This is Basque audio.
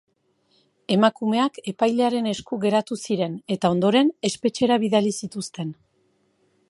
Emakumeak epailearen esku geratu ziren, eta ondoren, espetxera bidali zituzten.